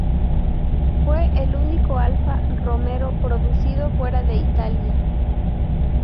Fue el único Alfa Romeo producido fuera de Italia.